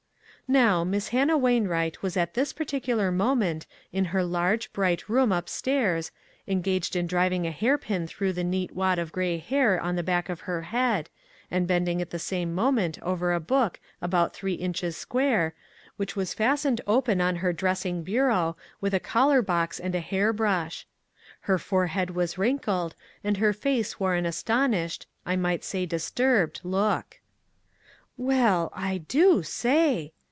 Now, Miss Hannah Wainwright was at this particular moment in her large, bright room upstairs, engaged in driving a hairpin through the neat wad of gray hair on the back of her head, and bending at the same moment over a book about three inches square, which was fastened open on her dressing bureau with a collar box and a hair brush. Her forehead was wrinkled, and her face wore an astonished, I might say disturbed, look. " Well, I do say